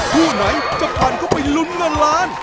คู่ไหนจะผ่านเข้าไปลุ้นเงินล้าน